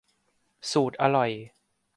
สูตรอร่อย